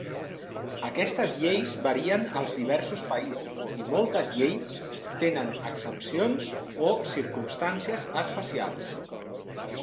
Aquestes lleis varien als diversos països i moltes lleis tenen exempcions o circumstàncies especials.